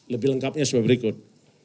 lebih lengkapnya seperti berikut